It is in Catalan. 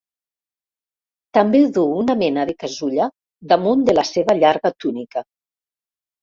També du una mena de casulla damunt de la seva llarga túnica.